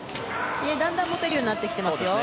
だんだん持てるようになってますね。